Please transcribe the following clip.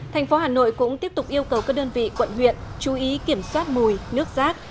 thành phố hà nội cũng tiếp tục yêu cầu các đơn vị quận huyện chú ý kiểm soát mùi nước rác